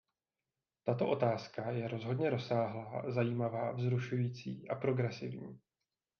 Tato otázka je rozhodně rozsáhlá, zajímavá, vzrušující a progresivní.